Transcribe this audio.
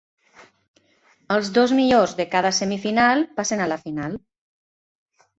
Els dos millors de cada semifinal passen a la final.